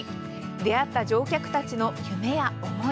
出会った乗客たちの夢や思い。